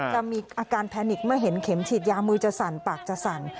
จะมีอาการแพนิกเมื่อเห็นเข็มฉีดยามือจะสั่นปากจะสั่น